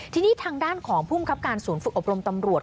ทีนี้ทางด้านของภูมิครับการศูนย์ฝึกอบรมตำรวจ